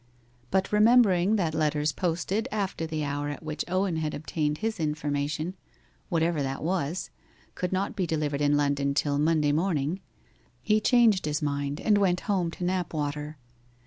But remembering that letters posted after the hour at which Owen had obtained his information whatever that was could not be delivered in London till Monday morning, he changed his mind and went home to Knapwater.